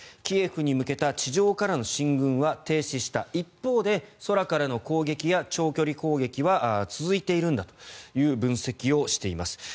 キエフに向けた地上からの進軍は停止した一方で空からの攻撃や長距離攻撃は続いているんだという分析をしています。